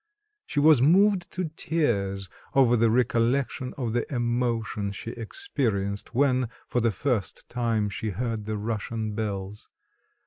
She was moved to tears over the recollection of the emotion she experienced, when, for the first time, she heard the Russian bells.